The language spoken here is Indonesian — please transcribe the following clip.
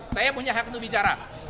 saya punya hak untuk bicara